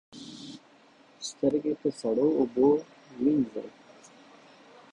سترګې په سړو اوبو وینځئ